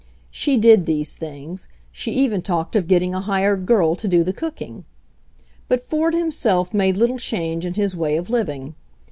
She did these things ; she even talked of getting a hired girl to do the cooking. But Ford himself made little change in his way of living.